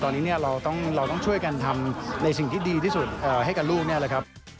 ตอนนี้เนี่ยเราต้องช่วยกันทำในสิ่งที่ดีที่สุดให้กับลูกนี่แหละครับ